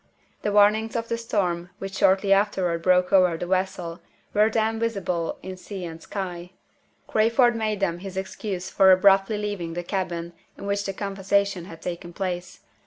The warnings of the storm which shortly afterward broke over the vessel were then visible in sea and sky. Crayford made them his excuse for abruptly leaving the cabin in which the conversation had taken place.